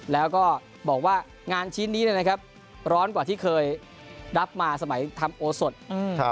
แล้วก็บอกว่างานชิ้นนี้เนี่ยนะครับร้อนกว่าที่เคยรับมาสมัยทำโอสด